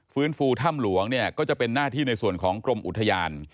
ฟูถ้ำหลวงเนี่ยก็จะเป็นหน้าที่ในส่วนของกรมอุทยาน